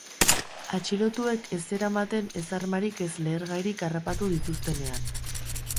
Atxilotuek ez zeramaten ez armarik ez lehergairik harrapatu dituztenean.